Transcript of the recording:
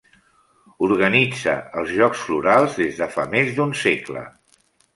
Organitza els Jocs Florals des de fa més d'un segle.